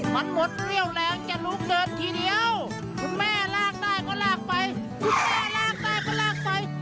มันหมดเรี่ยวแรงจะลุกเดินทีเดียวคุณแม่ลากได้ก็ลากไปคุณแม่ลากได้ก็ลากไป